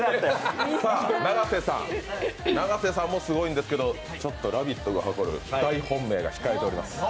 永瀬さんもすごいんですが「ラヴィット！」が誇る大本命が控えております。